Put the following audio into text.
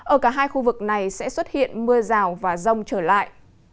ở cả hai khu vực này sẽ xuất hiện mưa rào và rông trở lại